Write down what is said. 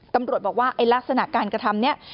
ตำรวจบอกว่าไอ้ลักษณะการกระทำนี้